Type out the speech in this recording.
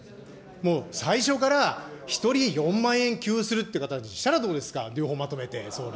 もう最初から１人４万円給付するっていう形にしたらどうですか、両方まとめて、総理。